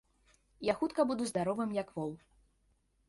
Я хутка буду здаровым як вол.